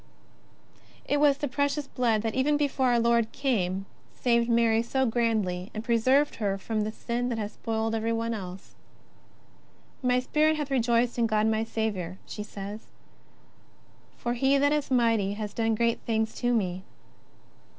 It was the Precious Blood that even before our Lord came saved Mary so grandly, and preserved her from the sin that has spoilt everyone else :" My spirit hath rejoiced in God my Saviour," she says. ^' For He that is mighty hath done great things to me."